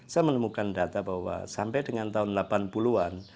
saya menemukan data bahwa sampai dengan tahun delapan puluh an